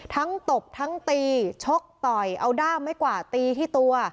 ตบทั้งตีชกต่อยเอาด้ามไม่กว่าตีที่ตัว